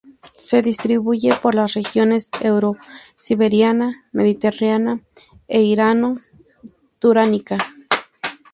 Se distribuye por las regiones Eurosiberiana, Mediterránea e Irano-Turánica.